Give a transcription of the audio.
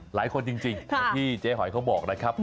หลายคนจริงอย่างที่เจ๊หอยเขาบอกนะครับ